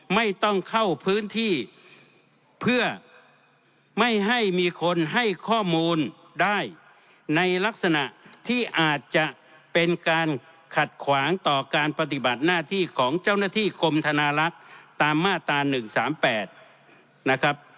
ไม่ต้องเข้าพื้นที่เพื่อไม่ให้มีคนให้ข้อมูลได้ในลักษณะที่อาจจะเป็นการขัดขวางต่อการปฏิบัติหน้าที่ของเจ้าหน้าที่กรมธนาลักษณ์ตามมาตรา๑๓๘นะครับ